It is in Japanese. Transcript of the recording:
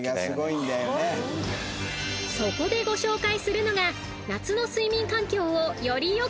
［そこでご紹介するのが］